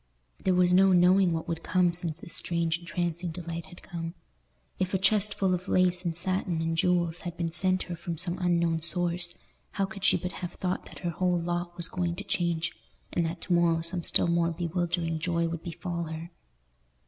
There was no knowing what would come, since this strange entrancing delight had come. If a chest full of lace and satin and jewels had been sent her from some unknown source, how could she but have thought that her whole lot was going to change, and that to morrow some still more bewildering joy would befall her?